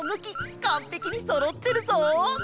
かんぺきにそろってるゾウ！